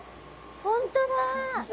本当だ！